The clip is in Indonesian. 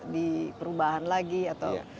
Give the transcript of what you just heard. diperubahan lagi atau